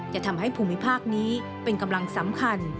จะทำให้ภูมิภาคนี้เป็นกำลังสำคัญ